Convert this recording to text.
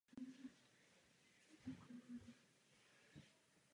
Také se objevil v nezávislém filmu nazvaném "Camp Chapel".